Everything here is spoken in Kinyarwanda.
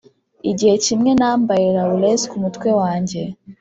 igihe kimwe nambaye laurels kumutwe wanjye,